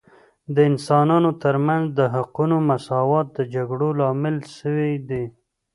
د انسانانو ترمنځ د حقوقو مساوات د جګړو لامل سوی دی